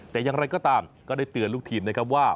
แต่อย่างไรก็ตามก็ได้เตือนลูกทีมนะครับว่า